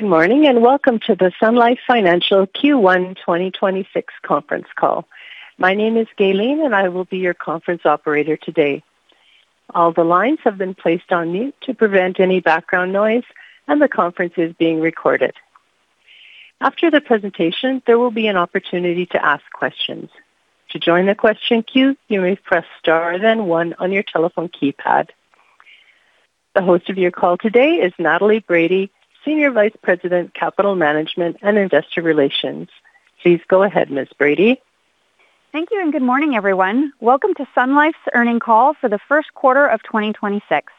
Good morning, welcome to the Sun Life Financial Q1 2026 conference call. My name is Gaylene, and I will be your conference operator today. All the lines have been placed on mute to prevent any background noise, and the conference is being recorded. After the presentation, there will be an opportunity to ask questions. To join the question queue, you may press star then one on your telephone keypad. The host of your call today is Natalie Brady, Senior Vice President, Capital Management and Investor Relations. Please go ahead, Ms. Brady. Thank you. Good morning, everyone. Welcome to Sun Life's earnings call for the first quarter of 2026.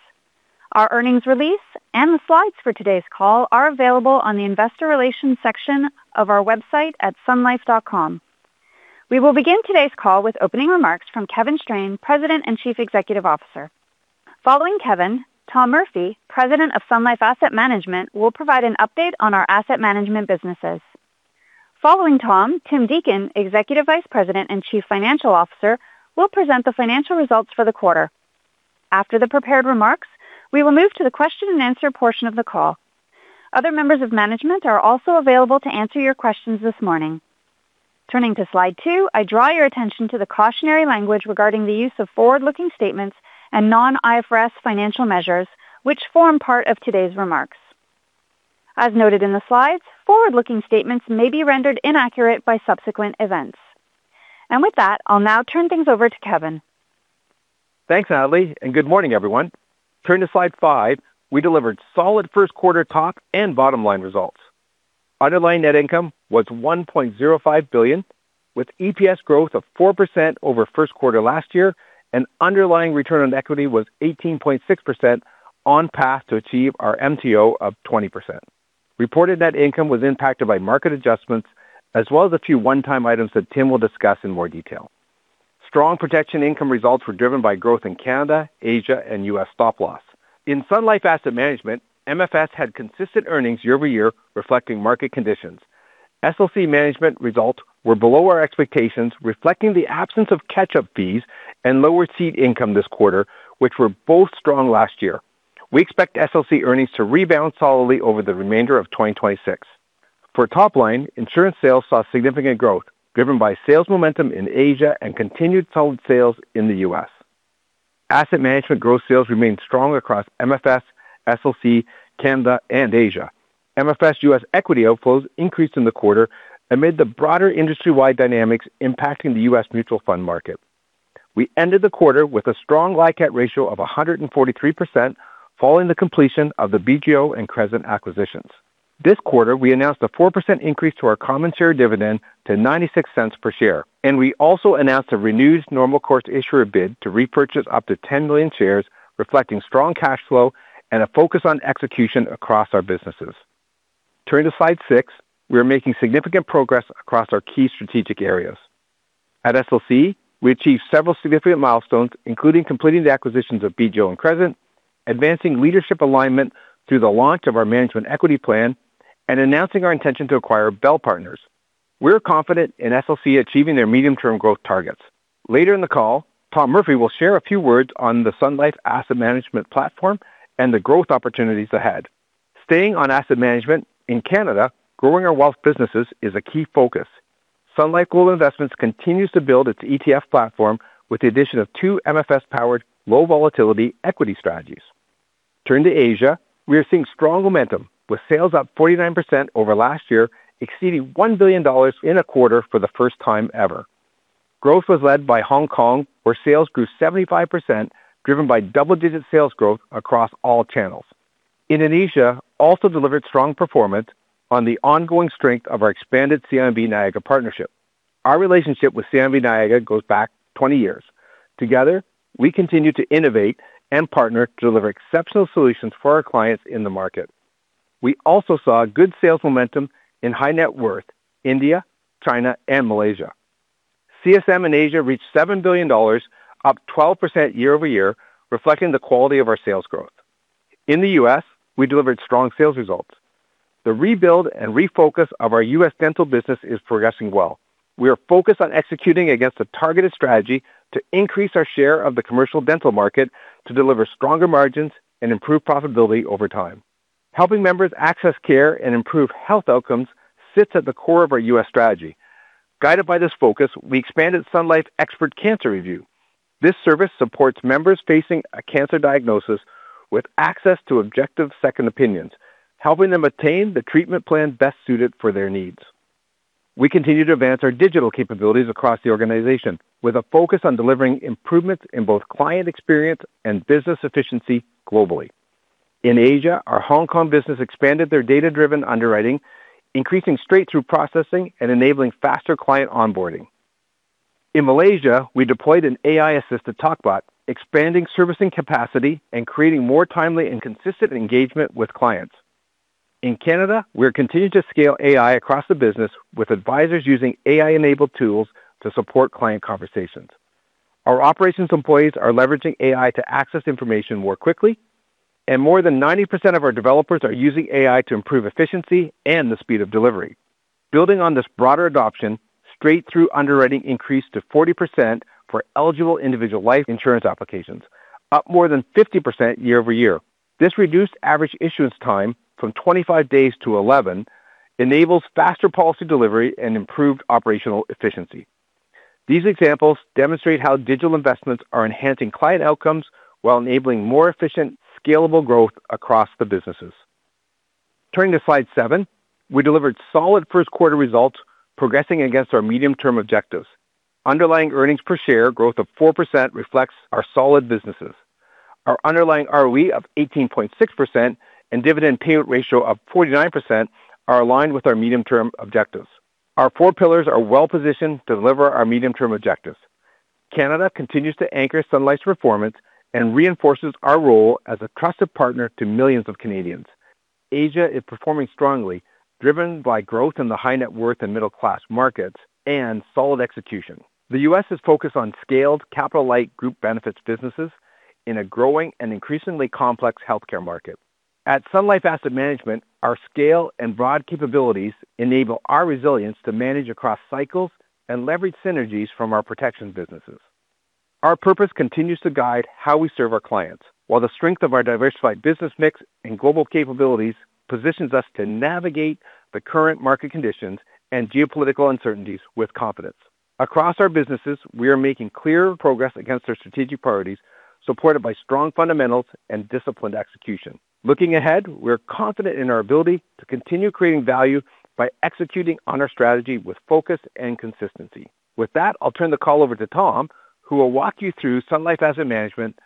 Our earnings release and the slides for today's call are available on the investor relations section of our website at sunlife.com. We will begin today's call with opening remarks from Kevin Strain, President and Chief Executive Officer. Following Kevin, Tom Murphy, President of Sun Life Asset Management, will provide an update on our asset management businesses. Following Tom, Tim Deacon, Executive Vice President and Chief Financial Officer, will present the financial results for the quarter. After the prepared remarks, we will move to the question-and-answer portion of the call. Other members of management are also available to answer your questions this morning. Turning to slide two, I draw your attention to the cautionary language regarding the use of forward-looking statements and non-IFRS financial measures which form part of today's remarks. As noted in the slides, forward-looking statements may be rendered inaccurate by subsequent events. With that, I'll now turn things over to Kevin. Thanks, Natalie. Good morning, everyone. Turning to slide five, we delivered solid first quarter top and bottom line results. Underlying net income was 1.05 billion, with EPS growth of 4% over first quarter last year, and underlying return on equity was 18.6% on path to achieve our MTO of 20%. Reported net income was impacted by market adjustments as well as a few one-time items that Tim Deacon will discuss in more detail. Strong protection income results were driven by growth in Canada, Asia, and U.S. stop-loss. In Sun Life Asset Management, MFS had consistent earnings year-over-year reflecting market conditions. SLC Management results were below our expectations, reflecting the absence of catch-up fees and lower seed income this quarter, which were both strong last year. We expect SLC earnings to rebound solidly over the remainder of 2026. For top line, insurance sales saw significant growth driven by sales momentum in Asia and continued solid sales in the U.S. Asset management growth sales remained strong across MFS, SLC, Canada, and Asia. MFS U.S. equity outflows increased in the quarter amid the broader industry-wide dynamics impacting the U.S. mutual fund market. We ended the quarter with a strong LICAT ratio of 143% following the completion of the BGO and Crescent acquisitions. This quarter, we announced a 4% increase to our common share dividend to 0.96 per share, and we also announced a renewed normal course issuer bid to repurchase up to 10 million shares, reflecting strong cash flow and a focus on execution across our businesses. Turning to slide six, we are making significant progress across our key strategic areas. At SLC, we achieved several significant milestones, including completing the acquisitions of BGO and Crescent, advancing leadership alignment through the launch of our management equity plan, and announcing our intention to acquire Bell Partners. We're confident in SLC achieving their medium-term growth targets. Later in the call, Tom Murphy will share a few words on the Sun Life Asset Management platform and the growth opportunities ahead. Staying on asset management, in Canada, growing our wealth businesses is a key focus. Sun Life Global Investments continues to build its ETF platform with the addition of two MFS-powered low volatility equity strategies. Turning to Asia, we are seeing strong momentum with sales up 49% over last year, exceeding 1 billion dollars in a quarter for the first time ever. Growth was led by Hong Kong, where sales grew 75%, driven by double-digit sales growth across all channels. Indonesia also delivered strong performance on the ongoing strength of our expanded CIMB Niaga partnership. Our relationship with CIMB Niaga goes back 20 years. Together, we continue to innovate and partner to deliver exceptional solutions for our clients in the market. We also saw good sales momentum in high net worth India, China, and Malaysia. CSM in Asia reached 7 billion dollars, up 12% year-over-year, reflecting the quality of our sales growth. In the U.S., we delivered strong sales results. The rebuild and refocus of our U.S. dental business is progressing well. We are focused on executing against a targeted strategy to increase our share of the Commercial Dental market to deliver stronger margins and improve profitability over time. Helping members access care and improve health outcomes sits at the core of our U.S. strategy. Guided by this focus, we expanded Sun Life Expert Cancer Review. This service supports members facing a cancer diagnosis with access to objective second opinions, helping them attain the treatment plan best suited for their needs. We continue to advance our digital capabilities across the organization with a focus on delivering improvements in both client experience and business efficiency globally. In Asia, our Hong Kong business expanded their data-driven underwriting, increasing straight through processing and enabling faster client onboarding. In Malaysia, we deployed an AI-assisted chatbot, expanding servicing capacity and creating more timely and consistent engagement with clients. In Canada, we're continuing to scale AI across the business with advisors using AI-enabled tools to support client conversations. Our operations employees are leveraging AI to access information more quickly, and more than 90% of our developers are using AI to improve efficiency and the speed of delivery. Building on this broader adoption, straight-through underwriting increased to 40% for eligible individual life insurance applications, up more than 50% year-over-year. This reduced average issuance time from 25 days to 11 enables faster policy delivery and improved operational efficiency. These examples demonstrate how digital investments are enhancing client outcomes while enabling more efficient, scalable growth across the businesses. Turning to slide seven, we delivered solid first quarter results progressing against our medium-term objectives. Underlying earnings per share growth of 4% reflects our solid businesses. Our underlying ROE of 18.6% and dividend payout ratio of 49% are aligned with our medium-term objectives. Our four pillars are well-positioned to deliver our medium-term objectives. Canada continues to anchor Sun Life's performance and reinforces our role as a trusted partner to millions of Canadians. Asia is performing strongly, driven by growth in the high net worth and middle class markets and solid execution. The U.S. is focused on scaled capital light group benefits businesses in a growing and increasingly complex healthcare market. At Sun Life Asset Management, our scale and broad capabilities enable our resilience to manage across cycles and leverage synergies from our protection businesses. Our purpose continues to guide how we serve our clients, while the strength of our diversified business mix and global capabilities positions us to navigate the current market conditions and geopolitical uncertainties with confidence. Across our businesses, we are making clear progress against our strategic priorities, supported by strong fundamentals and disciplined execution. Looking ahead, we're confident in our ability to continue creating value by executing on our strategy with focus and consistency. With that, I'll turn the call over to Tom, who will walk you through Sun Life Asset Management,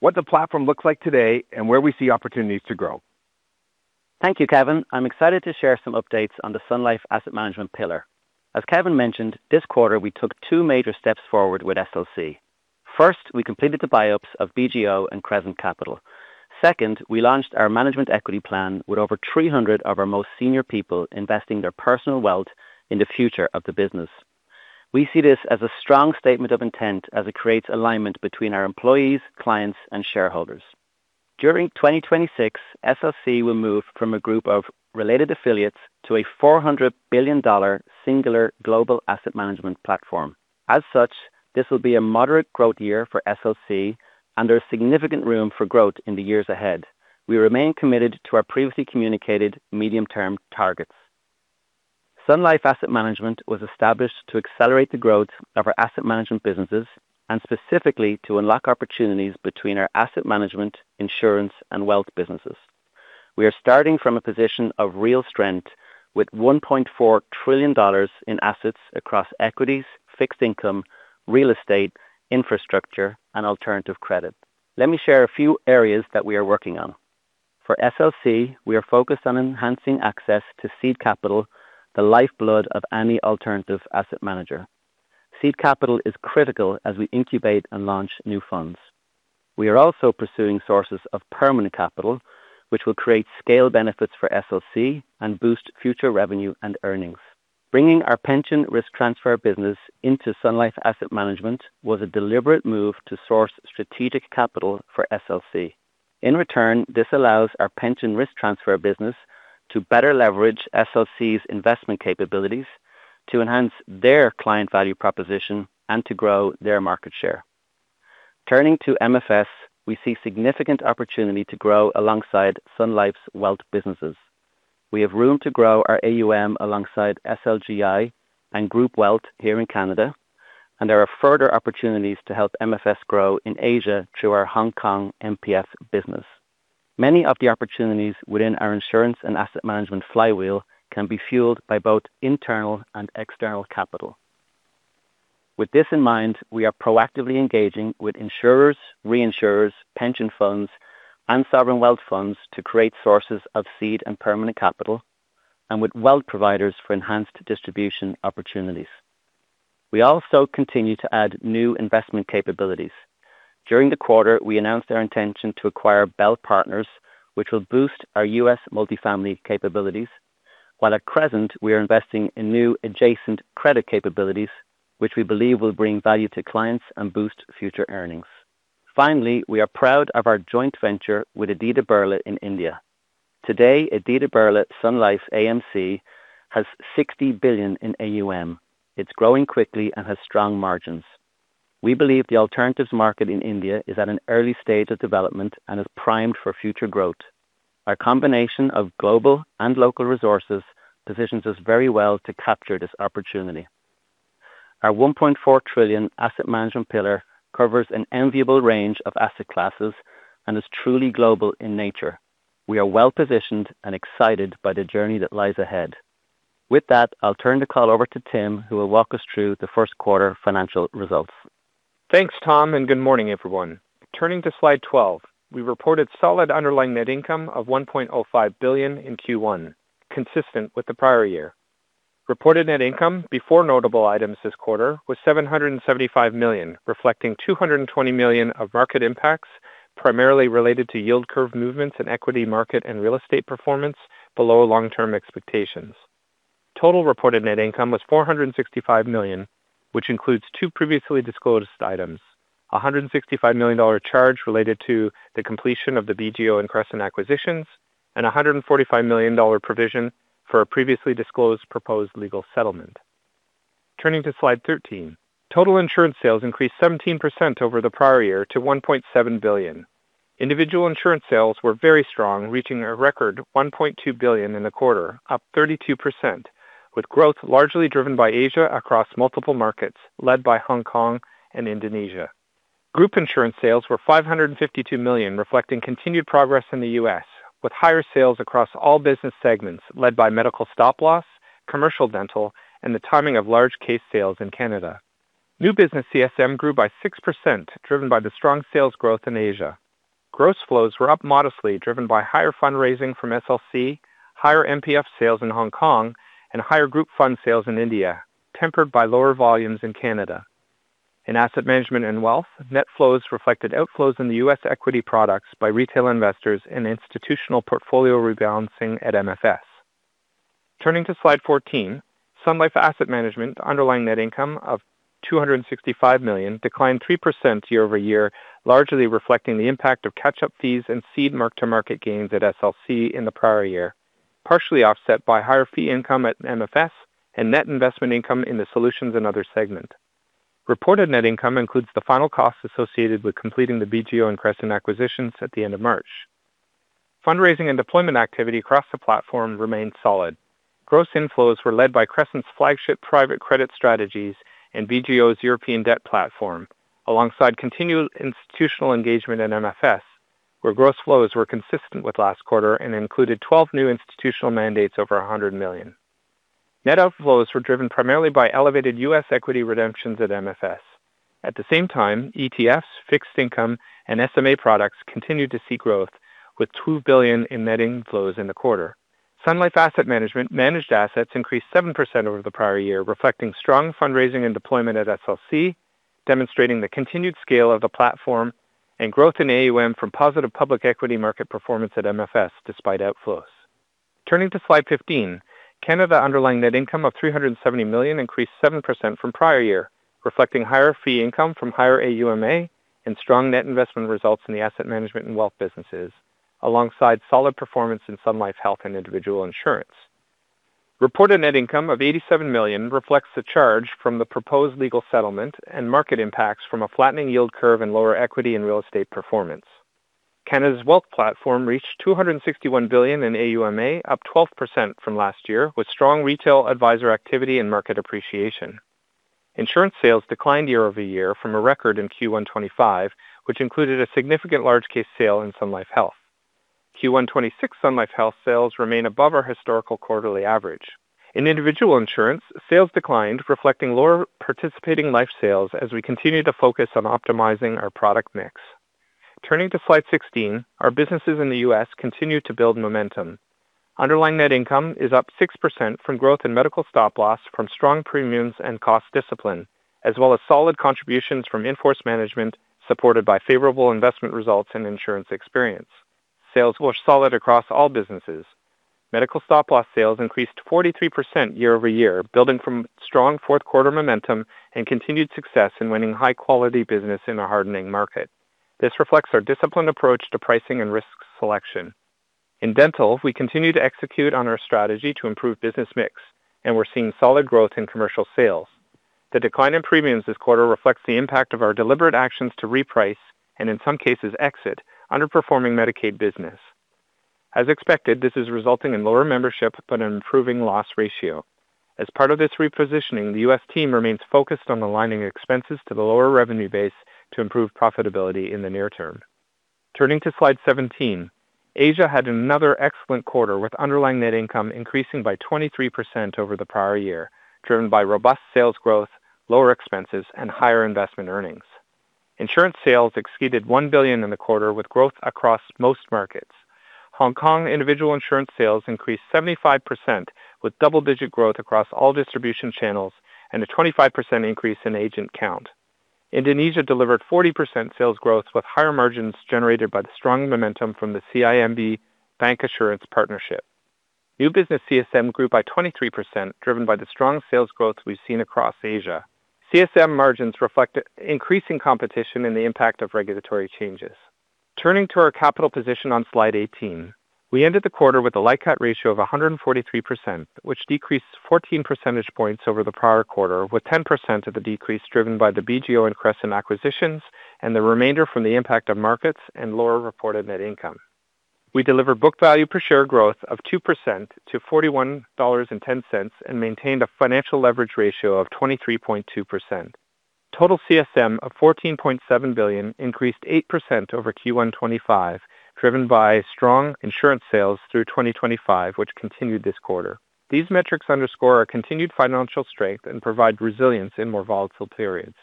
what the platform looks like today, and where we see opportunities to grow. Thank you, Kevin. I'm excited to share some updates on the Sun Life Asset Management pillar. As Kevin mentioned, this quarter we took two major steps forward with SLC. First, we completed the buy-ups of BGO and Crescent Capital. Second, we launched our management equity plan with over 300 of our most senior people investing their personal wealth in the future of the business. We see this as a strong statement of intent as it creates alignment between our employees, clients, and shareholders. During 2026, SLC will move from a group of related affiliates to a 400 billion dollar singular global asset management platform. This will be a moderate growth year for SLC, and there's significant room for growth in the years ahead. We remain committed to our previously communicated medium-term targets. Sun Life Asset Management was established to accelerate the growth of our asset management businesses and specifically to unlock opportunities between our asset management, insurance, and wealth businesses. We are starting from a position of real strength with 1.4 trillion dollars in assets across equities, fixed income, real estate, infrastructure, and alternative credit. Let me share a few areas that we are working on. For SLC, we are focused on enhancing access to seed capital, the lifeblood of any alternative asset manager. Seed capital is critical as we incubate and launch new funds. We are also pursuing sources of permanent capital, which will create scale benefits for SLC and boost future revenue and earnings. Bringing our pension risk transfer business into Sun Life Asset Management was a deliberate move to source strategic capital for SLC. In return, this allows our pension risk transfer business to better leverage SLC's investment capabilities to enhance their client value proposition and to grow their market share. Turning to MFS, we see significant opportunity to grow alongside Sun Life's wealth businesses. We have room to grow our AUM alongside SLGI and Group Wealth here in Canada, and there are further opportunities to help MFS grow in Asia through our Hong Kong MPF business. Many of the opportunities within our insurance and asset management flywheel can be fueled by both internal and external capital. With this in mind, we are proactively engaging with insurers, reinsurers, pension funds, and sovereign wealth funds to create sources of seed and permanent capital and with wealth providers for enhanced distribution opportunities. We also continue to add new investment capabilities. During the quarter, we announced our intention to acquire Bell Partners, which will boost our U.S. multifamily capabilities. While at Crescent, we are investing in new adjacent credit capabilities, which we believe will bring value to clients and boost future earnings. Finally, we are proud of our joint venture with Aditya Birla in India. Today, Aditya Birla Sun Life AMC has 60 billion in AUM. It's growing quickly and has strong margins. We believe the alternatives market in India is at an early stage of development and is primed for future growth. Our combination of global and local resources positions us very well to capture this opportunity. Our 1.4 trillion asset management pillar covers an enviable range of asset classes and is truly global in nature. We are well-positioned and excited by the journey that lies ahead. With that, I'll turn the call over to Tim, who will walk us through the first quarter financial results. Thanks, Tom. Good morning, everyone. Turning to slide 12, we reported solid underlying net income of 1.05 billion in Q1, consistent with the prior year. Reported net income before notable items this quarter was 775 million, reflecting 220 million of market impacts, primarily related to yield curve movements in equity market and real estate performance below long-term expectations. Total reported net income was 465 million. Which includes two previously disclosed items: a 165 million dollar charge related to the completion of the BGO and Crescent acquisitions and a 145 million dollar provision for a previously disclosed proposed legal settlement. Turning to slide 13, total insurance sales increased 17% over the prior year to 1.7 billion. Individual insurance sales were very strong, reaching a record 1.2 billion in the quarter, up 32%, with growth largely driven by Asia across multiple markets, led by Hong Kong and Indonesia. Group insurance sales were 552 million, reflecting continued progress in the U.S., with higher sales across all business segments led by Medical Stop-Loss, Commercial Dental, and the timing of large case sales in Canada. New business CSM grew by 6%, driven by the strong sales growth in Asia. Gross flows were up modestly, driven by higher fundraising from SLC, higher MPF sales in Hong Kong, and higher group fund sales in India, tempered by lower volumes in Canada. In asset management and wealth, net flows reflected outflows in the U.S. equity products by retail investors and institutional portfolio rebalancing at MFS. Turning to slide 14, Sun Life Asset Management underlying net income of 265 million declined 3% year-over-year, largely reflecting the impact of catch-up fees and seed mark-to-market gains at SLC in the prior year, partially offset by higher fee income at MFS and net investment income in the solutions and other segment. Reported net income includes the final costs associated with completing the BGO and Crescent acquisitions at the end of March. Fundraising and deployment activity across the platform remained solid. Gross inflows were led by Crescent's flagship private credit strategies and BGO's European debt platform, alongside continued institutional engagement at MFS, where gross flows were consistent with last quarter and included 12 new institutional mandates over 100 million. Net outflows were driven primarily by elevated U.S. equity redemptions at MFS. At the same time, ETFs, fixed income, and SMA products continued to see growth with 2 billion in net inflows in the quarter. Sun Life Asset Management managed assets increased 7% over the prior year, reflecting strong fundraising and deployment at SLC, demonstrating the continued scale of the platform and growth in AUM from positive public equity market performance at MFS despite outflows. Turning to slide 15, Canada underlying net income of 370 million increased 7% from prior year, reflecting higher fee income from higher AUMA and strong net investment results in the asset management and wealth businesses, alongside solid performance in Sun Life Health and individual insurance. Reported net income of CAD 87 million reflects the charge from the proposed legal settlement and market impacts from a flattening yield curve and lower equity and real estate performance. Canada's wealth platform reached 261 billion in AUMA, up 12% from last year, with strong retail advisor activity and market appreciation. Insurance sales declined year-over-year from a record in Q1 2025, which included a significant large case sale in Sun Life Health. Q1 2026 Sun Life Health sales remain above our historical quarterly average. In individual insurance, sales declined, reflecting lower participating life sales as we continue to focus on optimizing our product mix. Turning to slide 16, our businesses in the U.S. continue to build momentum. Underlying net income is up 6% from growth in Medical Stop-Loss from strong premiums and cost discipline, as well as solid contributions from in-force management supported by favorable investment results and insurance experience. Sales were solid across all businesses. Medical Stop-Loss sales increased 43% year-over-year, building from strong fourth quarter momentum and continued success in winning high quality business in a hardening market. This reflects our disciplined approach to pricing and risk selection. In Dental, we continue to execute on our strategy to improve business mix, and we're seeing solid growth in commercial sales. The decline in premiums this quarter reflects the impact of our deliberate actions to reprice and, in some cases, exit underperforming Medicaid business. As expected, this is resulting in lower membership but an improving loss ratio. As part of this repositioning, the U.S. team remains focused on aligning expenses to the lower revenue base to improve profitability in the near term. Turning to slide 17, Asia had another excellent quarter with underlying net income increasing by 23% over the prior year, driven by robust sales growth, lower expenses, and higher investment earnings. Insurance sales exceeded 1 billion in the quarter with growth across most markets. Hong Kong individual insurance sales increased 75% with double-digit growth across all distribution channels and a 25% increase in agent count. Indonesia delivered 40% sales growth with higher margins generated by the strong momentum from the CIMB bancassurance partnership. New business CSM grew by 23%, driven by the strong sales growth we've seen across Asia. CSM margins reflect increasing competition and the impact of regulatory changes. Turning to our capital position on slide 18, we ended the quarter with a LICAT ratio of 143%, which decreased 14 percentage points over the prior quarter, with 10% of the decrease driven by the BGO and Crescent acquisitions and the remainder from the impact of markets and lower reported net income. We delivered book value per share growth of 2% to 41.10 dollars and maintained a financial leverage ratio of 23.2%. Total CSM of 14.7 billion increased 8% over Q1 2025, driven by strong insurance sales through 2025, which continued this quarter. These metrics underscore our continued financial strength and provide resilience in more volatile periods.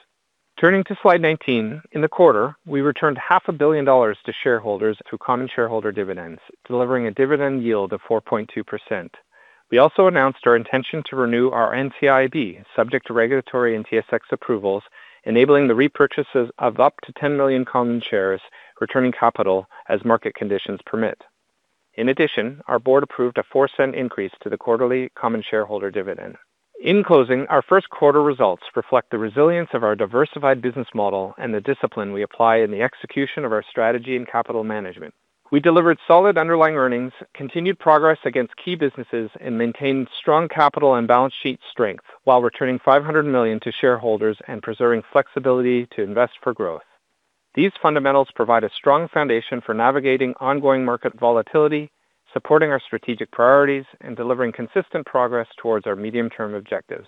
Turning to slide 19, in the quarter, we returned 500million dollars to shareholders through common shareholder dividends, delivering a dividend yield of 4.2%. We also announced our intention to renew our NCIB subject to regulatory and TSX approvals, enabling the repurchases of up to 10 million common shares, returning capital as market conditions permit. In addition, our board approved a 0.04 increase to the quarterly common shareholder dividend. In closing, our first quarter results reflect the resilience of our diversified business model and the discipline we apply in the execution of our strategy and capital management. We delivered solid underlying earnings, continued progress against key businesses, and maintained strong capital and balance sheet strength while returning 500 million to shareholders and preserving flexibility to invest for growth. These fundamentals provide a strong foundation for navigating ongoing market volatility, supporting our strategic priorities, and delivering consistent progress towards our medium-term objectives.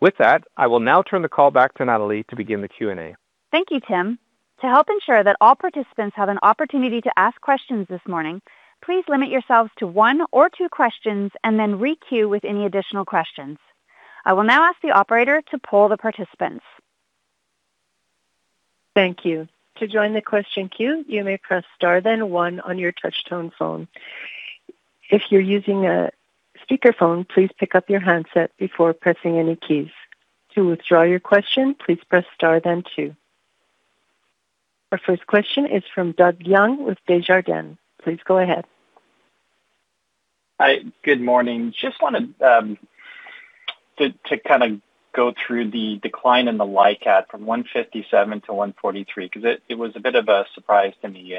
With that, I will now turn the call back to Natalie to begin the Q&A. Thank you, Tim. To help ensure that all participants have an opportunity to ask questions this morning, please limit yourselves to one or two questions and then re-queue with any additional questions. I will now ask the operator to poll the participants. Thank you. To join the question queue, you may press star then one on your touch tone phone. If you're using a speakerphone, please pick up your handset before pressing any keys. To withdraw your question, please press star then two. Our first question is from Doug Young with Desjardins. Please go ahead. Hi. Good morning. Just wanted to kind of go through the decline in the LICAT from 157%-143%, 'cause it was a bit of a surprise to me.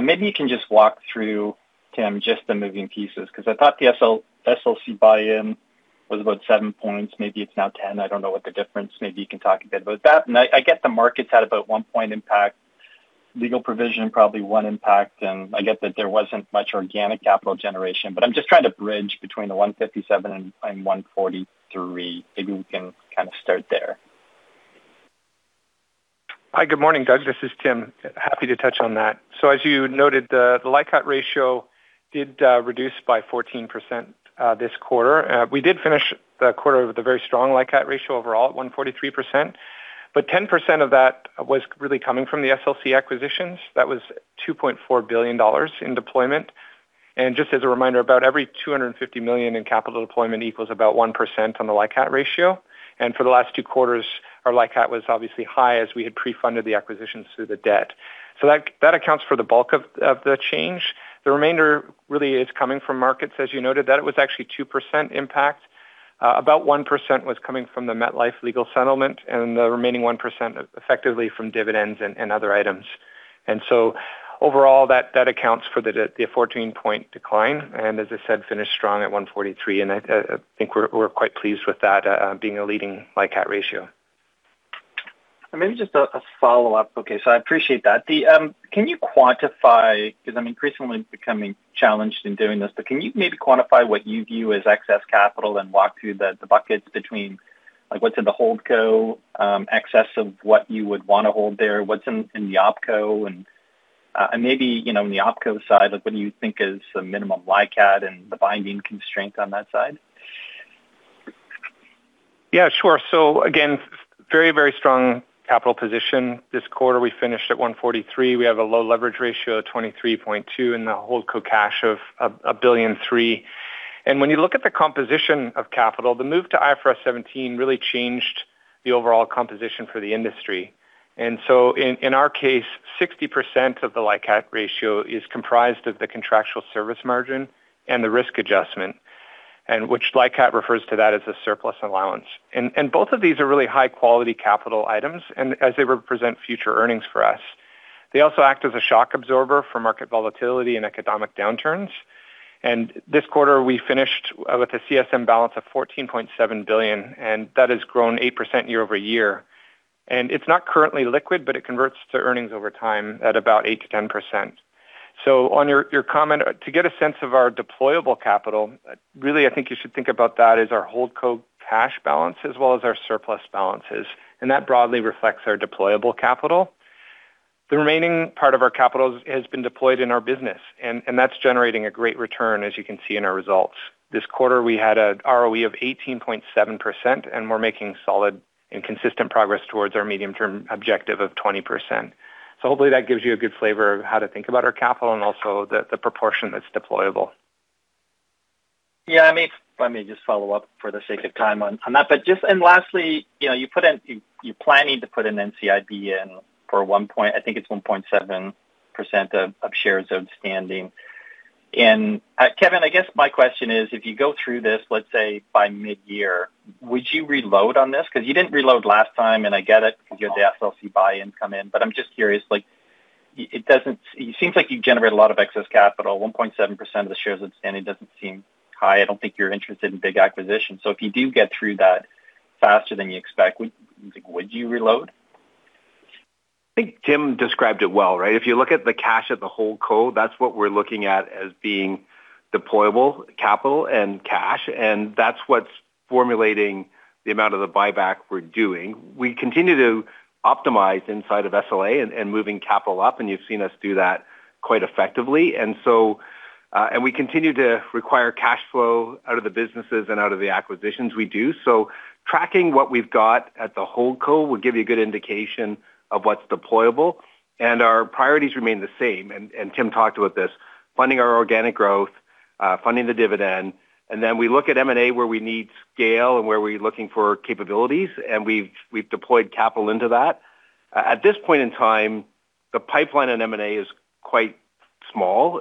Maybe you can just walk through, Tim, just the moving pieces, 'cause I thought the SLC buy-in was about 7 points. Maybe it's now 10%. I don't know what the difference. Maybe you can talk a bit about that. I guess the markets had about 1 point impact, legal provision probably one impact, and I get that there wasn't much organic capital generation. I'm just trying to bridge between the 157% and 143%. Maybe we can kind of start there. Hi. Good morning, Doug. This is Tim. Happy to touch on that. As you noted, the LICAT ratio did reduce by 14% this quarter. We did finish the quarter with a very strong LICAT ratio overall at 143%, but 10% of that was really coming from the SLC acquisitions. That was 2.4 billion dollars in deployment. Just as a reminder, about every 250 million in capital deployment equals about 1% on the LICAT ratio. For the last two quarters, our LICAT was obviously high as we had pre-funded the acquisitions through the debt. That accounts for the bulk of the change. The remainder really is coming from markets, as you noted. That it was actually 2% impact. About 1% was coming from the MetLife legal settlement and the remaining 1% effectively from dividends and other items. Overall, that accounts for the 14-point decline and as I said, finished strong at 143%. I think we're quite pleased with that, being a leading LICAT ratio. Maybe just a follow-up. I appreciate that. Can you quantify 'Cause I'm increasingly becoming challenged in doing this, but can you maybe quantify what you view as excess capital and walk through the buckets between, like, what's in the holdco, excess of what you would want to hold there, what's in the opco? Maybe, you know, in the opco side, like, what do you think is the minimum LICAT and the binding constraint on that side? Yeah, sure. Again, very strong capital position this quarter. We finished at 143%. We have a low leverage ratio of 23.2% and the holdco cash of 1.3 billion. When you look at the composition of capital, the move to IFRS 17 really changed the overall composition for the industry. In our case, 60% of the LICAT ratio is comprised of the contractual service margin and the risk adjustment, which LICAT refers to as a surplus allowance. Both of these are really high quality capital items as they represent future earnings for us. They also act as a shock absorber for market volatility and economic downturns. This quarter, we finished with a CSM balance of 14.7 billion, and that has grown 8% year-over-year. It's not currently liquid, but it converts to earnings over time at about 8%-10%. On your comment, to get a sense of our deployable capital, really, I think you should think about that as our holdco cash balance as well as our surplus balances, and that broadly reflects our deployable capital. The remaining part of our capital has been deployed in our business and that's generating a great return, as you can see in our results. This quarter, we had an ROE of 18.7%, and we're making solid and consistent progress towards our medium-term objective of 20%. Hopefully that gives you a good flavor of how to think about our capital and also the proportion that's deployable. Yeah, let me just follow up for the sake of time on that. Lastly, you know, you're planning to put an NCIB in for, I think it's 1.7% of shares outstanding. Kevin, I guess my question is, if you go through this, let's say by mid-year, would you reload on this? Because you didn't reload last time, and I get it because you had the SLC buy-in come in. I'm just curious, like, it seems like you generate a lot of excess capital. 1.7% of the shares outstanding doesn't seem high. I don't think you're interested in big acquisitions. If you do get through that faster than you expect, would you reload? I think Tim Deacon described it well, right? If you look at the cash at the holdco, that's what we're looking at as being deployable capital and cash, and that's what's formulating the amount of the buyback we're doing. We continue to optimize inside of SLA and moving capital up, and you've seen us do that quite effectively. We continue to require cash flow out of the businesses and out of the acquisitions we do. Tracking what we've got at the holdco would give you a good indication of what's deployable. Our priorities remain the same, and Tim Deacon talked about this: funding our organic growth, funding the dividend. We look at M&A where we need scale and where we're looking for capabilities, and we've deployed capital into that. At this point in time, the pipeline in M&A is quite small.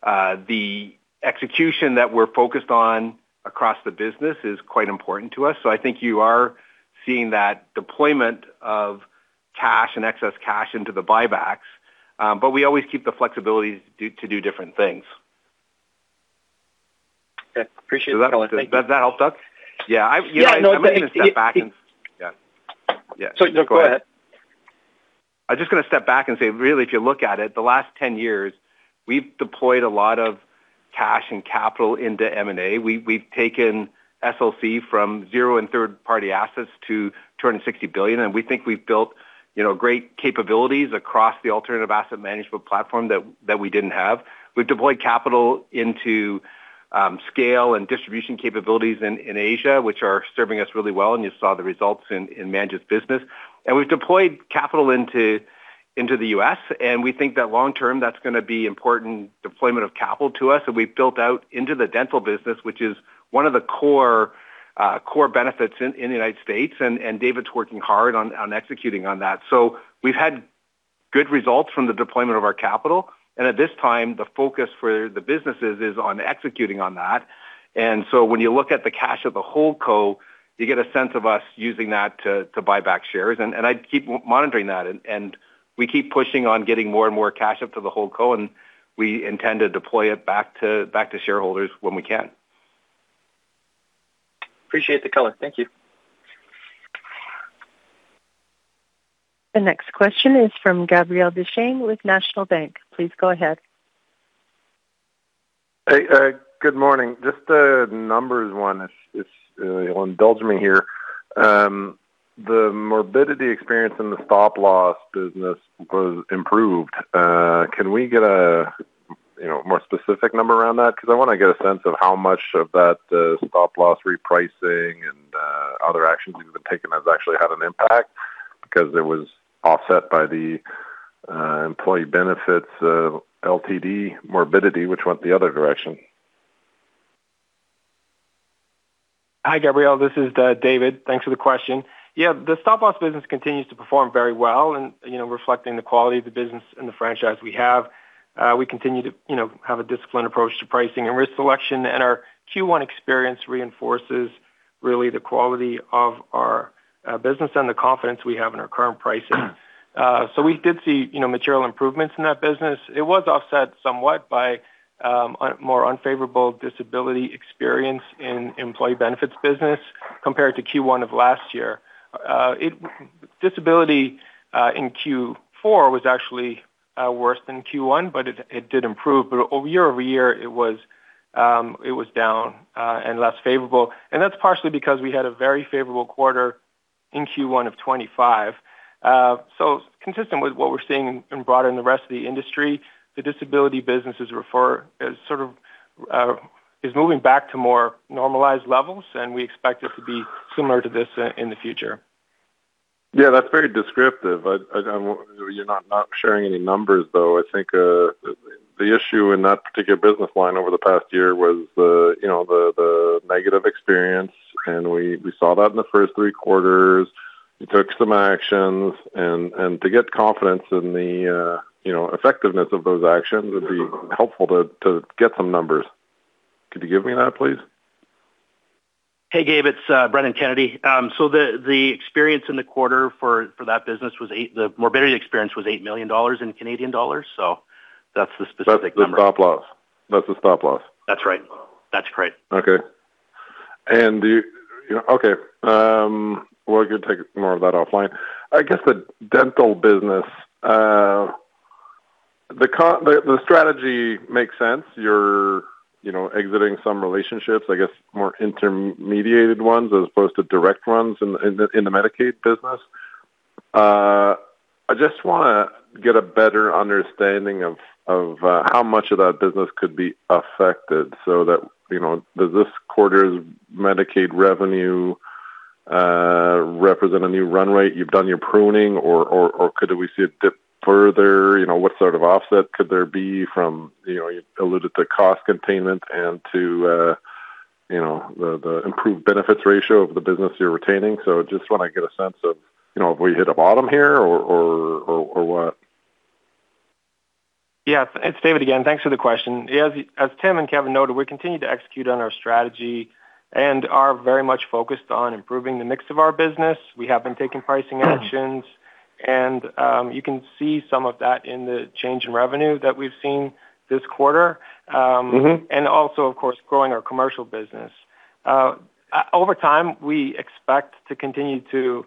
The execution that we're focused on across the business is quite important to us. I think you are seeing that deployment of cash and excess cash into the buybacks. We always keep the flexibility to do different things. Okay. Appreciate the color. Thank you. Does that help, Doug? Yeah. You know what? I'm gonna step back. Yeah. No. Yeah. Yeah. No, go ahead. I was just gonna step back and say, really, if you look at it, the last 10 years, we've deployed a lot of cash and capital into M&A. We've taken SLC Management from zero in third-party assets to 260 billion, and we think we've built, you know, great capabilities across the alternative asset management platform that we didn't have. We've deployed capital into scale and distribution capabilities in Asia, which are serving us really well, and you saw the results in managed business. We've deployed capital into the U.S., and we think that long term, that's gonna be important deployment of capital to us. We've built out into the Dental business, which is one of the core benefits in the U.S., and David's working hard on executing on that. We've had good results from the deployment of our capital. At this time, the focus for the businesses is on executing on that. When you look at the cash of the holdco, you get a sense of us using that to buy back shares. I'd keep monitoring that. We keep pushing on getting more and more cash up to the holdco, and we intend to deploy it back to shareholders when we can. Appreciate the color. Thank you. The next question is from Gabriel Dechaine with National Bank. Please go ahead. Hey, good morning. Just a numbers one, if you'll indulge me here. The morbidity experience in the Stop-Loss business was improved. Can we get a, you know, more specific number around that? 'Cause I wanna get a sense of how much of that stop-loss repricing and other actions you've been taking has actually had an impact because it was offset by the employee benefits of LTD morbidity, which went the other direction. Hi, Gabriel. This is David. Thanks for the question. Yeah, the Stop-Loss business continues to perform very well and, you know, reflecting the quality of the business and the franchise we have. We continue to, you know, have a disciplined approach to pricing and risk selection. Our Q1 experience reinforces really the quality of our business and the confidence we have in our current pricing. We did see, you know, material improvements in that business. It was offset somewhat by more unfavorable disability experience in employee benefits business compared to Q1 of last year. Disability in Q4 was actually worse than Q1, but it did improve. Over year-over-year, it was down and less favorable. That's partially because we had a very favorable quarter in Q1 of 2025. Consistent with what we're seeing in broader and the rest of the industry, the disability business is sort of moving back to more normalized levels, and we expect it to be similar to this in the future. Yeah, that's very descriptive. I, you're not sharing any numbers, though. I think the issue in that particular business line over the past year was the, you know, the negative experience, and we saw that in the first three quarters. You took some actions, and to get confidence in the, you know, effectiveness of those actions, it'd be helpful to get some numbers. Could you give me that, please? Hey, Gabe, it's Brennan Kennedy. The experience in the quarter for that business was the morbidity experience was 8 million dollars. That's the specific number. That's the Stop-Loss. That's the Stop-Loss. That's right. That's correct. Okay. We could take more of that offline. I guess the Dental business, the strategy makes sense. You're, you know, exiting some relationships, I guess more intermediated ones as opposed to direct ones in the, in the Medicaid business. I just wanna get a better understanding of how much of that business could be affected so that, you know, does this quarter's Medicaid revenue, represent a new run rate, you've done your pruning or could we see a dip further? You know, what sort of offset could there be from, you know, you alluded to cost containment and to, you know, the improved benefits ratio of the business you're retaining. Just wanna get a sense of, you know, have we hit a bottom here or what? Yeah. It's David again. Thanks for the question. Yeah. As Tim and Kevin noted, we continue to execute on our strategy and are very much focused on improving the mix of our business. We have been taking pricing actions, and you can see some of that in the change in revenue that we've seen this quarter. Also, of course, growing our Commercial business. Over time, we expect to continue to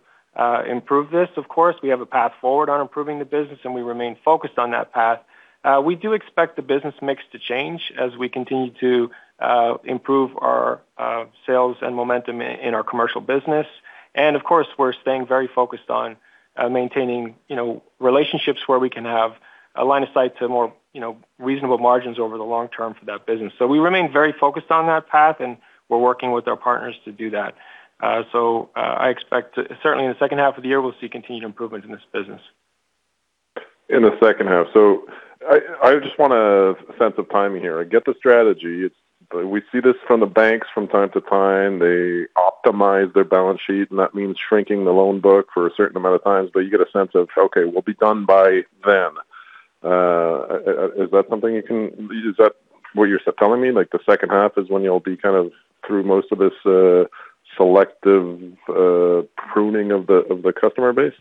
improve this, of course. We have a path forward on improving the business, and we remain focused on that path. We do expect the business mix to change as we continue to improve our sales and momentum in our Commercial business. Of course, we're staying very focused on maintaining, you know, relationships where we can have a line of sight to more, you know, reasonable margins over the long term for that business. We remain very focused on that path, and we're working with our partners to do that. I expect certainly in the second half of the year, we'll see continued improvement in this business. In the second half. I just want a sense of timing here. I get the strategy. We see this from the banks from time to time. They optimize their balance sheet, and that means shrinking the loan book for a certain amount of times, but you get a sense of, okay, we'll be done by then. Is that something you can Is that what you're telling me, like the second half is when you'll be kind of through most of this, selective, pruning of the customer base?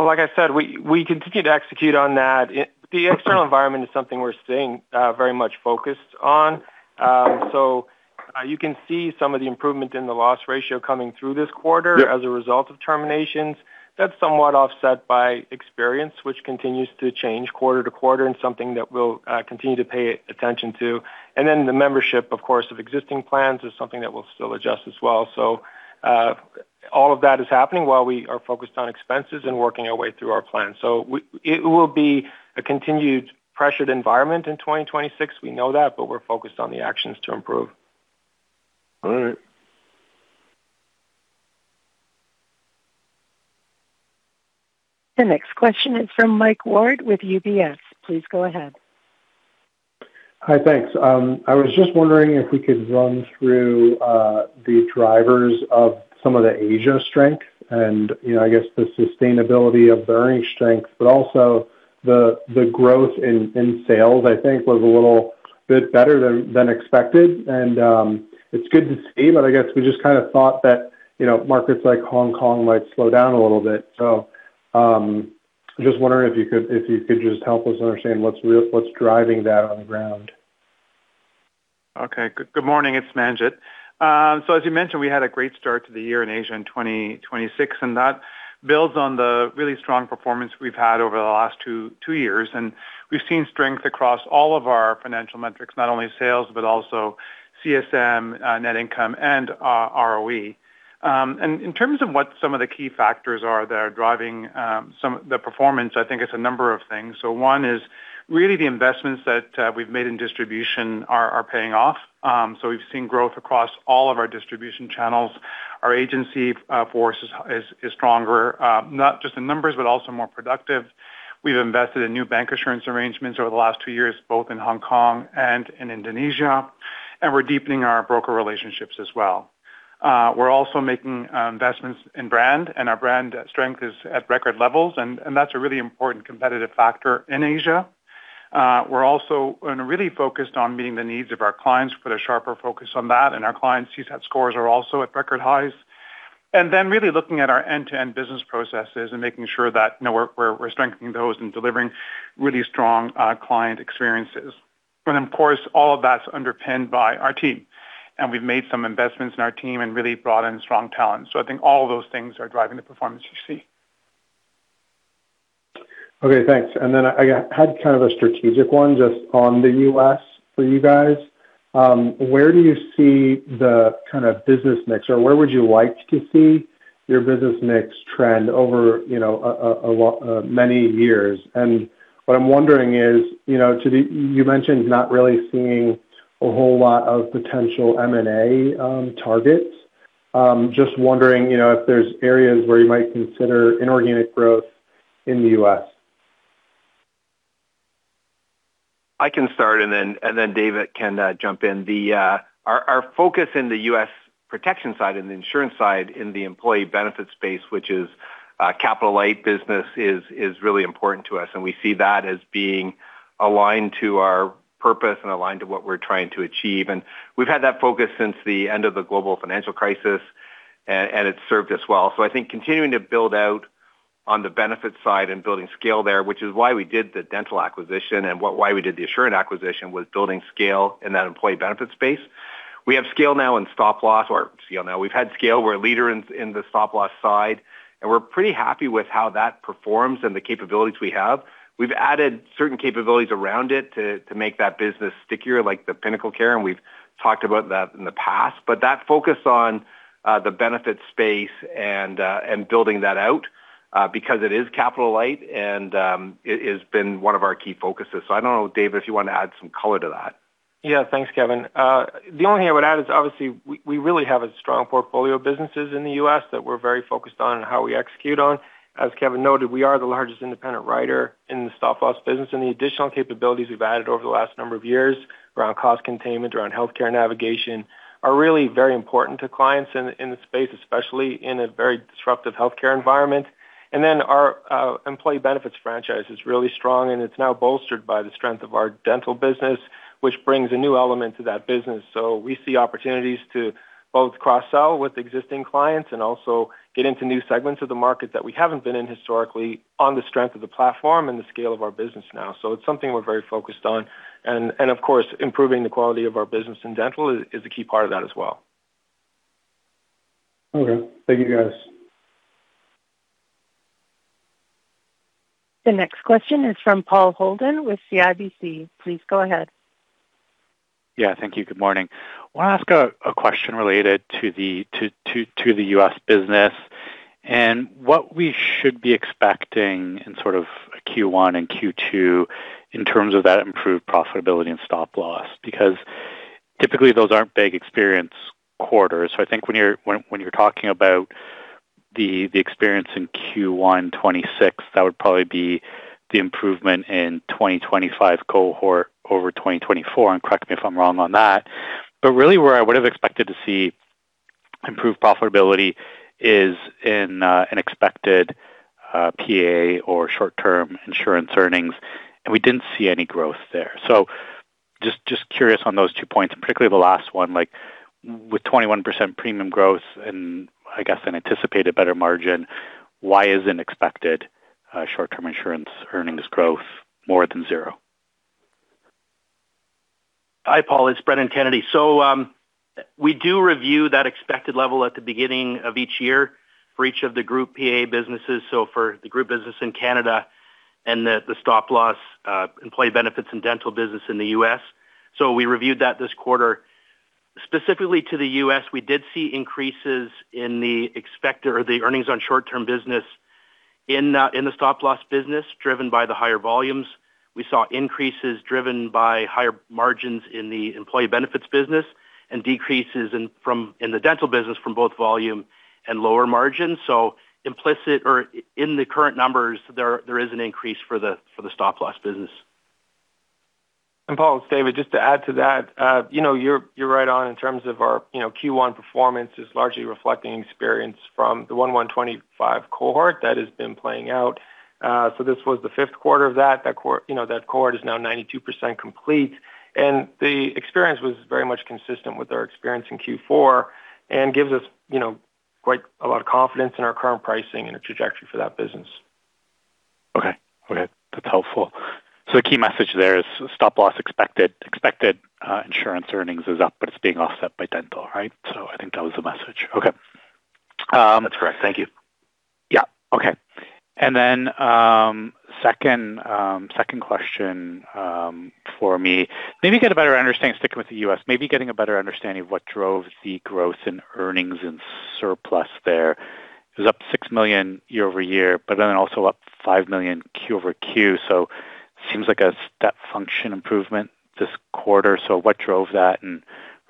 Like I said, we continue to execute on that. The external environment is something we're staying very much focused on. You can see some of the improvement in the loss ratio coming through this quarter. Yeah As a result of terminations. That's somewhat offset by experience, which continues to change quarter to quarter and something that we'll continue to pay attention to. The membership, of course, of existing plans is something that we'll still adjust as well. It will be a continued pressured environment in 2026. We know that. We're focused on the actions to improve. All right. The next question is from Michael Ward with UBS. Please go ahead. Hi. Thanks. I was just wondering if we could run through the drivers of some of the Asia strength and, you know, I guess, the sustainability of the earnings strength, but also the growth in sales, I think, was a little bit better than expected. It's good to see, but I guess we just kind of thought that, you know, markets like Hong Kong might slow down a little bit. Just wondering if you could just help us understand what's driving that on the ground. Okay. Good morning. It's Manjit. As you mentioned, we had a great start to the year in Asia in 2026, and that builds on the really strong performance we've had over the last two years. We've seen strength across all of our financial metrics, not only sales, but also CSM, net income and ROE. In terms of what some of the key factors are that are driving the performance, I think it's a number of things. One is really the investments that we've made in distribution are paying off. We've seen growth across all of our distribution channels. Our agency force is stronger, not just in numbers, but also more productive. We've invested in new bancassurance arrangements over the last two years, both in Hong Kong and in Indonesia, and we're deepening our broker relationships as well. We're also making investments in brand, and our brand strength is at record levels. That's a really important competitive factor in Asia. We're also really focused on meeting the needs of our clients, put a sharper focus on that. Our client CSAT scores are also at record highs. Really looking at our end-to-end business processes and making sure that, you know, we're strengthening those and delivering really strong client experiences. Of course, all of that's underpinned by our team. We've made some investments in our team and really brought in strong talent. I think all of those things are driving the performance you see. Okay. Thanks. I had kind of a strategic one just on the U.S. for you guys. Where do you see the kind of business mix, or where would you like to see your business mix trend over, you know, many years? What I'm wondering is, you know, you mentioned not really seeing a whole lot of potential M&A targets. Just wondering, you know, if there's areas where you might consider inorganic growth in the U.S. I can start, and then, and then David can jump in. Our focus in the U.S. protection side and the insurance side in the employee benefit space, which is a capital light business, is really important to us, and we see that as being aligned to our purpose and aligned to what we're trying to achieve. We've had that focus since the end of the global financial crisis, and it's served us well. I think continuing to build out on the benefit side and building scale there, which is why we did the dental acquisition and why we did the Assurant acquisition, was building scale in that employee benefit space. We have scale now in stop loss. We've had scale. We're a leader in the stop loss side, and we're pretty happy with how that performs and the capabilities we have. We've added certain capabilities around it to make that business stickier, like the PinnacleCare, and we've talked about that in the past. That focus on the benefit space and building that out because it is capital light and it has been one of our key focuses. I don't know, David, if you want to add some color to that. Yeah. Thanks, Kevin. The only thing I would add is obviously we really have a strong portfolio of businesses in the U.S. that we're very focused on and how we execute on. As Kevin noted, we are the largest independent writer in the stop loss business. The additional capabilities we've added over the last number of years around cost containment, around healthcare navigation are really very important to clients in the space, especially in a very disruptive healthcare environment. Our employee benefits franchise is really strong, and it's now bolstered by the strength of our Dental business, which brings a new element to that business. We see opportunities to both cross-sell with existing clients and also get into new segments of the market that we haven't been in historically on the strength of the platform and the scale of our business now. It's something we're very focused on. Of course, improving the quality of our business in dental is a key part of that as well. Okay. Thank you, guys. The next question is from Paul Holden with CIBC. Please go ahead. Yeah. Thank you. Good morning. Wanna ask a question related to the U.S. business and what we should be expecting in sort of Q1 and Q2 in terms of that improved profitability and stop loss. Typically, those aren't big experience quarters. I think when you're talking about the experience in Q1 2026, that would probably be the improvement in 2025 cohort over 2024. Correct me if I'm wrong on that. Really, where I would have expected to see improved profitability is in an expected P&A or short-term insurance earnings, and we didn't see any growth there. Just curious on those two points, and particularly the last one, like with 21% premium growth and I guess an anticipated better margin, why isn't expected short-term insurance earnings growth more than zero? Hi, Paul. It's Brennan Kennedy. We do review that expected level at the beginning of each year for each of the group P&A businesses. For the group business in Canada and the stop loss employee benefits and Dental business in the U.S. We reviewed that this quarter. Specifically to the U.S., we did see increases in the expected or the earnings on short-term business in the Stop-Loss business, driven by the higher volumes. We saw increases driven by higher margins in the employee benefits business and decreases in the dental business from both volume and lower margins. Implicit or in the current numbers, there is an increase for the Stop-Loss business. Paul, it's David. Just to add to that, you know, you're right on in terms of our, you know, Q1 performance is largely reflecting experience from the 1/1/25 cohort that has been playing out. This was the fifth quarter of that. That cohort is now 92% complete. The experience was very much consistent with our experience in Q4 and gives us, you know, quite a lot of confidence in our current pricing and our trajectory for that business. Okay. That's helpful. The key message there is stop-loss expected insurance earnings is up, but it's being offset by dental, right? I think that was the message. Okay. That's correct. Thank you. Yeah. Okay. Second, second question, for me, maybe get a better understanding, sticking with the U.S., maybe getting a better understanding of what drove the growth in earnings on surplus there. It was up 6 million year-over-year, also up 5 million Q-over-Q. Seems like a step function improvement this quarter. What drove that?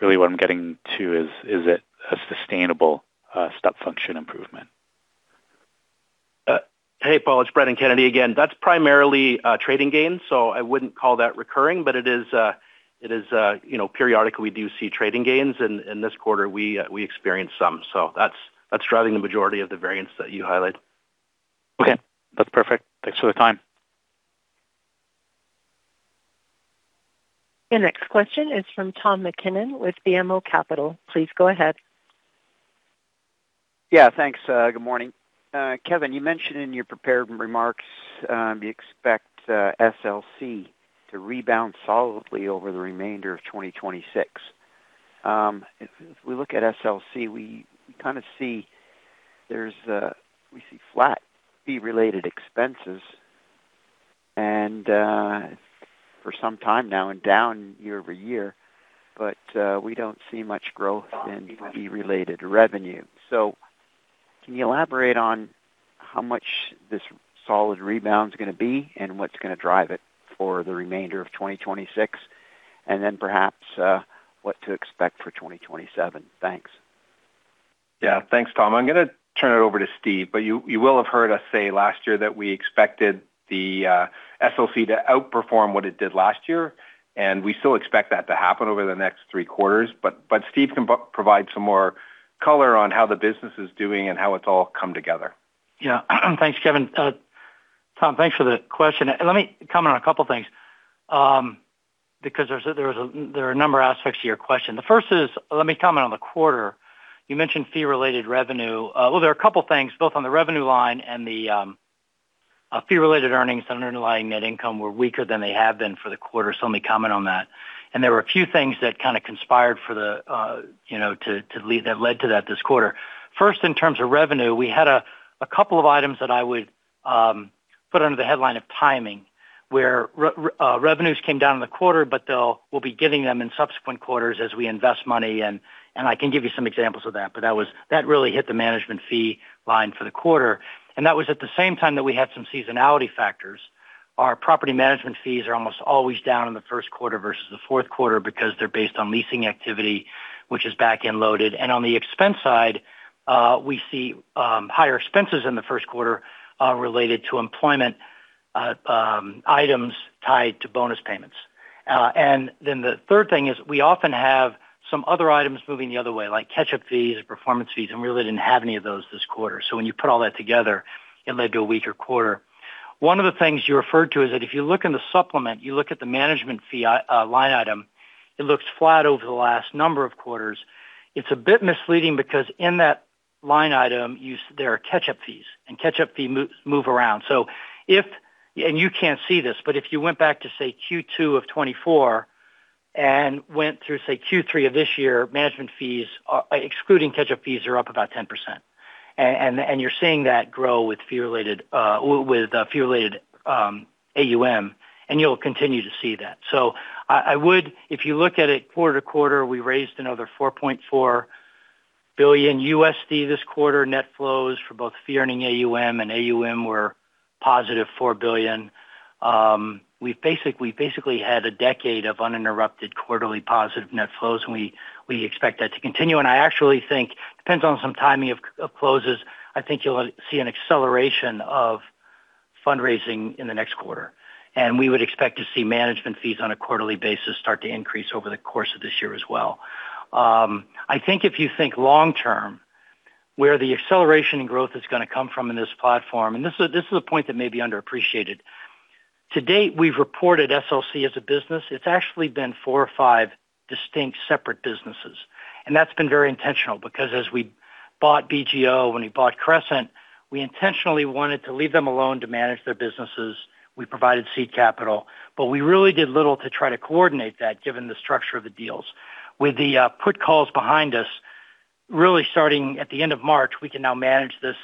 What I'm getting to is it a sustainable, step function improvement? Hey, Paul, it's Brennan Kennedy again. That's primarily trading gains, so I wouldn't call that recurring, but it is, you know, periodically we do see trading gains, and in this quarter we experienced some. That's driving the majority of the variance that you highlight. Okay. That's perfect. Thanks for the time. The next question is from Tom MacKinnon with BMO Capital. Please go ahead. Yeah, thanks. Good morning. Kevin, you mentioned in your prepared remarks, you expect SLC to rebound solidly over the remainder of 2026. If we look at SLC, we kind of see there's flat fee-related expenses and for some time now and down year-over-year. We don't see much growth in fee-related revenue. Can you elaborate on how much this solid rebound is gonna be and what's gonna drive it for the remainder of 2026? Perhaps what to expect for 2027. Thanks. Yeah. Thanks, Tom. I'm gonna turn it over to Steve. You will have heard us say last year that we expected the SLC to outperform what it did last year, and we still expect that to happen over the next three quarters. Steve can provide some more color on how the business is doing and how it's all come together. Yeah. Thanks, Kevin. Tom, thanks for the question. Let me comment on a couple of things because there are a number of aspects to your question. The first is, let me comment on the quarter. You mentioned fee-related revenue. Well, there are a couple of things both on the revenue line and the fee-related earnings and underlying net income were weaker than they have been for the quarter. Let me comment on that. There were a few things that kinda conspired for the, you know, that led to that this quarter. First, in terms of revenue, we had a couple of items that I would put under the headline of timing, where revenues came down in the quarter, but we'll be getting them in subsequent quarters as we invest money, and I can give you some examples of that. That really hit the management fee line for the quarter. That was at the same time that we had some seasonality factors. Our property management fees are almost always down in the first quarter versus the fourth quarter because they're based on leasing activity, which is back-end loaded. On the expense side, we see higher expenses in the first quarter related to employment items tied to bonus payments. The third thing is we often have some other items moving the other way, like catch-up fees or performance fees, and we really didn't have any of those this quarter. When you put all that together, it led to a weaker quarter. One of the things you referred to is that if you look in the supplement, you look at the management fee line item, it looks flat over the last number of quarters. It's a bit misleading because in that line item, there are catch-up fees, and catch-up fee move around. You can't see this, but if you went back to, say, Q2 of 2024 and went through, say, Q3 of this year, management fees, excluding catch-up fees, are up about 10%. You're seeing that grow with fee-related AUM, and you'll continue to see that. If you look at it quarter to quarter, we raised another $4.4 billion this quarter net flows for both fee earning AUM and AUM were +$4 billion. We basically had a decade of uninterrupted quarterly positive net flows, and we expect that to continue. I actually think, depends on some timing of closes, I think you'll see an acceleration of fundraising in the next quarter. We would expect to see management fees on a quarterly basis start to increase over the course of this year as well. I think if you think long term, where the acceleration and growth is going to come from in this platform, and this is a point that may be underappreciated. To date, we've reported SLC as a business. It's actually been four or five distinct separate businesses. That's been very intentional because as we bought BGO, when we bought Crescent, we intentionally wanted to leave them alone to manage their businesses. We provided seed capital, but we really did little to try to coordinate that given the structure of the deals. With the put calls behind us, really starting at the end of March, we can now manage this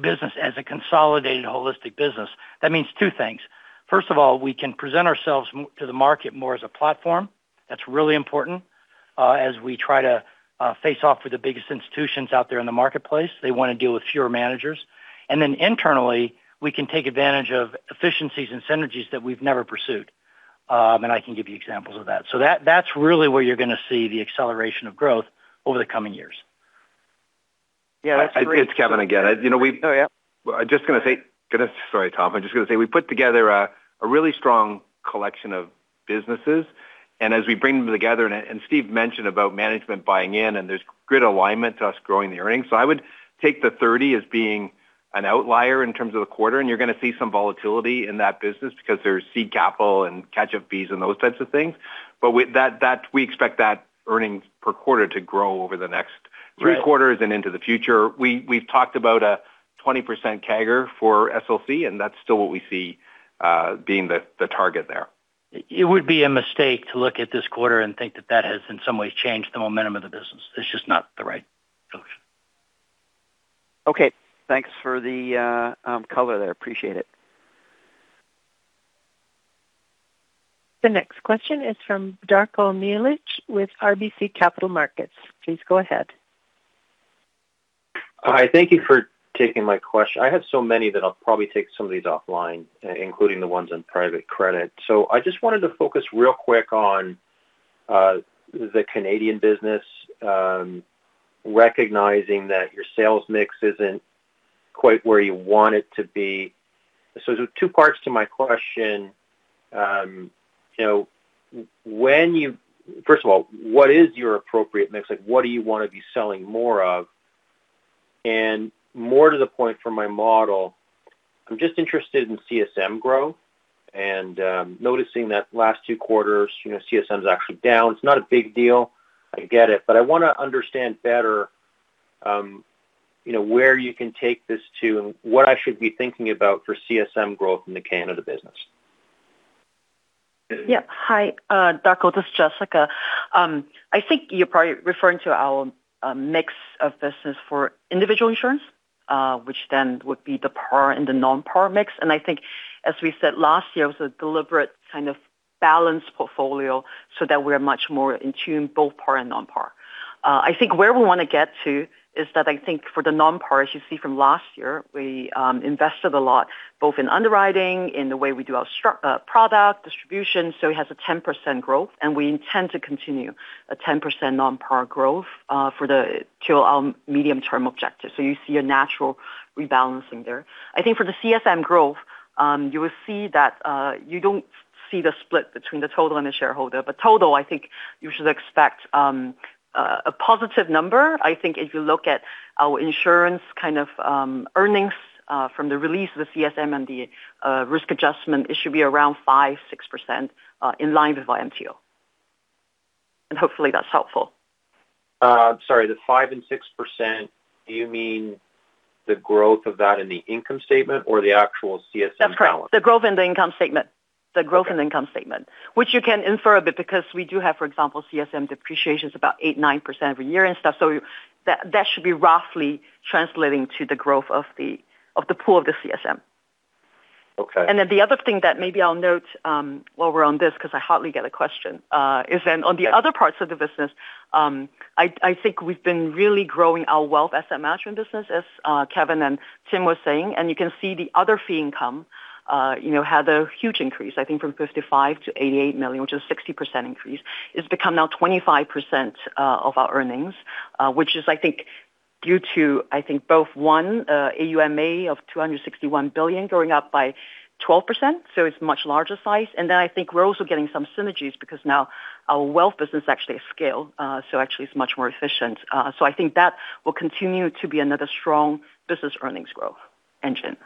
business as a consolidated holistic business. That means two things. First of all, we can present ourselves to the market more as a platform. That's really important, as we try to face off with the biggest institutions out there in the marketplace. They want to deal with fewer managers. Internally, we can take advantage of efficiencies and synergies that we've never pursued. I can give you examples of that. That's really where you're going to see the acceleration of growth over the coming years. Yeah, that's great. It's Kevin again. You know. Oh, yeah. I'm just gonna say Sorry, Tom. I'm just gonna say we put together a really strong collection of businesses, and as we bring them together, and Steve mentioned about management buying in, and there's great alignment to us growing the earnings. I would take the 30 as being an outlier in terms of the quarter, and you're gonna see some volatility in that business because there's seed capital and catch-up fees and those types of things. With that, we expect that earnings per quarter to grow over the next three quarters and into the future. We've talked about a 20% CAGR for SLC, and that's still what we see being the target there. It would be a mistake to look at this quarter and think that that has in some ways changed the momentum of the business. It's just not the right solution. Okay. Thanks for the color there. Appreciate it. The next question is from Darko Mihelic with RBC Capital Markets. Please go ahead. Hi. Thank you for taking my question. I have so many that I'll probably take some of these offline, including the ones on private credit. I just wanted to focus real quick on the Canadian business, recognizing that your sales mix isn't quite where you want it to be. There's two parts to my question. You know, first of all, what is your appropriate mix? Like, what do you wanna be selling more of? More to the point for my model, I'm just interested in CSM growth and noticing that last two quarters, you know, CSM is actually down. It's not a big deal, I get it, but I wanna understand better, you know, where you can take this to and what I should be thinking about for CSM growth in the Canada business. Yeah. Hi, Darko, this is Jessica. I think you're probably referring to our mix of business for individual insurance, which would be the par and the non-par mix. I think as we said last year, it was a deliberate kind of balanced portfolio so that we're much more in tune, both par and non-par. I think where we wanna get to is that I think for the non-par, as you see from last year, we invested a lot, both in underwriting, in the way we do our product distribution. It has a 10% growth, and we intend to continue a 10% non-par growth for the to our medium-term objective. You see a natural rebalancing there. I think for the CSM growth, you will see that you don't see the split between the total and the shareholder. Total, I think you should expect a positive number. I think if you look at our insurance kind of earnings from the release of the CSM and the risk adjustment, it should be around 5%, 6% in line with MTO. Hopefully that's helpful. Sorry, the 5% and 6%, do you mean the growth of that in the income statement or the actual CSM balance? That's correct. The growth in the income statement. Okay. Which you can infer a bit because we do have, for example, CSM depreciation is about 8%, 9% every year and stuff. That should be roughly translating to the growth of the pool of the CSM. Okay. The other thing that maybe I'll note, while we're on this because I hardly get a question, is on the other parts of the business, I think we've been really growing our wealth asset management business as Kevin and Tim were saying, and you can see the other fee income, you know, had a huge increase, I think from 55 million-88 million, which is a 60% increase. It's become now 25% of our earnings, which is I think due to, I think, both one, AUMA of 261 billion growing up by 12%, so it's much larger size. I think we're also getting some synergies because now our wealth business actually scale. Actually it's much more efficient. I think that will continue to be another strong business earnings growth engine.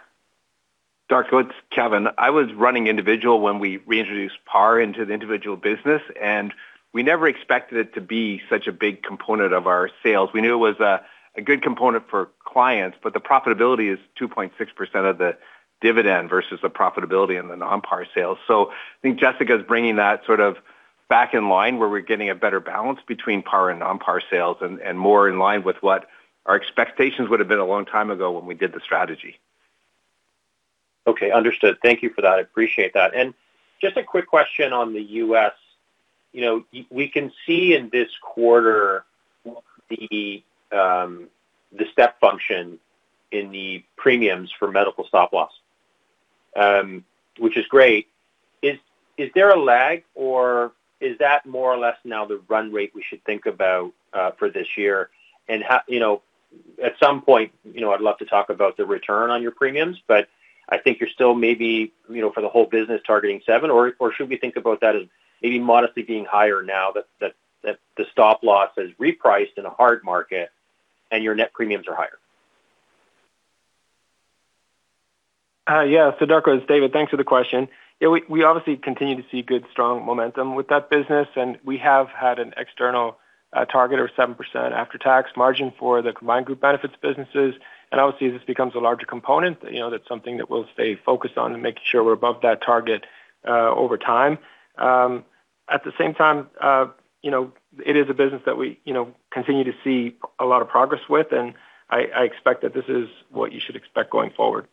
Darko, it's Kevin. I was running individual when we reintroduced par into the individual business. We never expected it to be such a big component of our sales. We knew it was a good component for clients, but the profitability is 2.6% of the dividend versus the profitability in the non-par sales. I think Jessica is bringing that sort of back in line where we're getting a better balance between par and non-par sales and more in line with what our expectations would have been a long time ago when we did the strategy. Okay. Understood. Thank you for that. I appreciate that. Just a quick question on the U.S. You know, we can see in this quarter the step function in the premiums for Medical Stop-Loss, which is great. Is there a lag or is that more or less now the run rate we should think about for this year? How, you know, at some point, you know, I'd love to talk about the return on your premiums, but I think you're still maybe, you know, for the whole business targeting seven, or should we think about that as maybe modestly being higher now that the stop-loss is repriced in a hard market and your net premiums are higher? Darko, it's David. Thanks for the question. We obviously continue to see good, strong momentum with that business, and we have had an external target of 7% after tax margin for the combined Group Benefits businesses. Obviously, as this becomes a larger component, you know, that's something that we'll stay focused on and making sure we're above that target over time. At the same time, you know, it is a business that we, you know, continue to see a lot of progress with, and I expect that this is what you should expect going forward.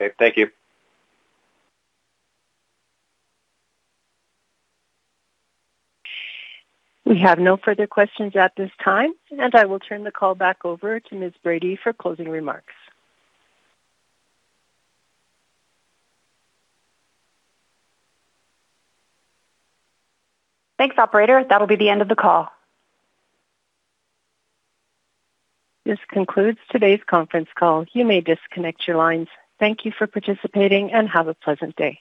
Okay. Thank you. We have no further questions at this time, and I will turn the call back over to Ms. Brady for closing remarks. Thanks, operator. That'll be the end of the call. This concludes today's conference call. You may disconnect your lines. Thank you for participating, and have a pleasant day.